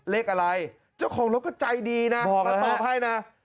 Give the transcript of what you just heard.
เลขอะไรเจ้าของรถก็ใจดีนะบอกแล้วตอบให้นะ